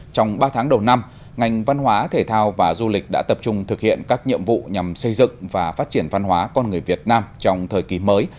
trong ba tháng đầu năm ngành văn hóa thể thao và du lịch đã tập trung thực hiện các nhiệm vụ nhằm xây dựng và phát triển văn hóa con người việt nam trong thời kỳ mới